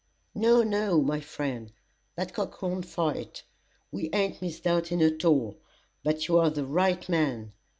"No! no! my friend, that cock won't fight. We aint misdoubting at all, but you're the right man.